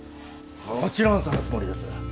もちろんそのつもりです。